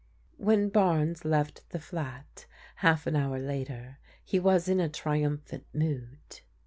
When Barnes left the flat half an hour later, he was in a triumphant mood.